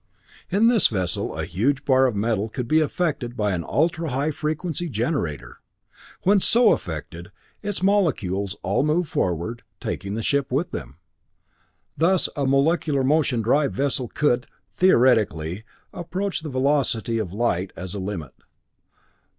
In this vessel a huge bar of metal could be affected by an ultra high frequency generator. When so affected, its molecules all moved forward, taking the ship with them. Thus, a molecular motion drive vessel could, theoretically, approach the velocity of light as a limit.